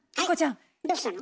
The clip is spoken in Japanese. はいどうしたの？